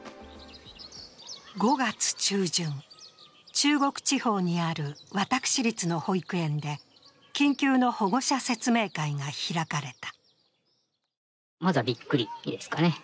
５月中旬、中国地方にある私立の保育園で緊急の保護者説明会が開かれた。